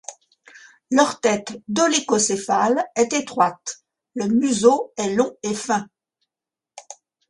Leur tête dolichocéphale est étroite, le museau est long et fin.